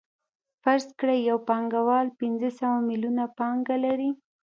فرض کړئ یو پانګوال پنځه سوه میلیونه پانګه لري